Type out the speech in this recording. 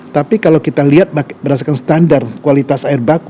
tapi kalau kita lihat berdasarkan standar kualitas air baku